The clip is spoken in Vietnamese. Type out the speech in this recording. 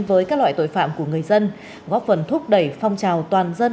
với các loại tội phạm của người dân góp phần thúc đẩy phong trào toàn dân